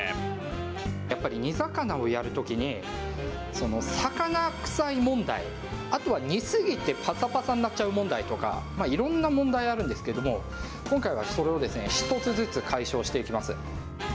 やっぱり煮魚をやるときに、魚臭い問題、あとは煮すぎてぱさぱさになっちゃう問題とか、いろんな問題あるんですけども、今回はそれを一つずつ解消していきます。